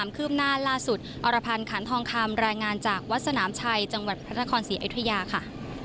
มองคำรายงานจากวัดสนามชัยจังหวัดพระทะคอนศรีอิทยาค่ะ